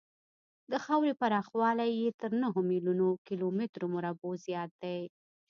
د خاورې پراخوالی یې تر نهو میلیونو کیلومترو مربعو زیات دی.